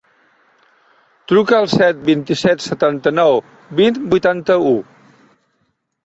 Truca al set, vint-i-set, setanta-nou, vint, vuitanta-u.